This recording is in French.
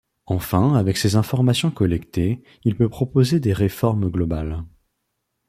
Enfin avec ces informations collectées, il peut proposer des réformes globales.